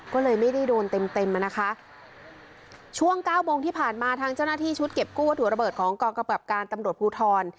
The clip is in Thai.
ก็เลยไม่ได้โดนเต็มเต็มอ่ะนะคะช่วงเก้าโมงที่ผ่านมาทางเจ้าหน้าที่ชุดเก็บกู้วัตถุระเบิดของกองกำกับการตำรวจภูทร